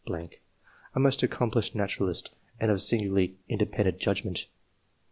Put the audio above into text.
., a most accomplished naturalist and of singularly independent judgment .